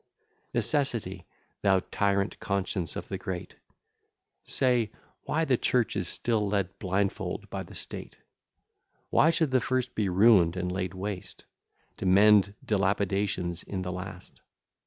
IX Necessity, thou tyrant conscience of the great, Say, why the church is still led blindfold by the state; Why should the first be ruin'd and laid waste, To mend dilapidations in the last?